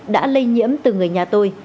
đã lây nhiễm từ người nhà tôi